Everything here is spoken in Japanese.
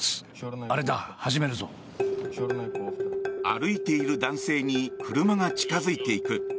歩いている男性に車が近付いていく。